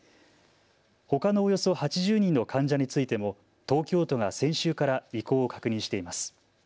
ほかのおよそ８０人の患者についても東京都が先週から意向を確認しています。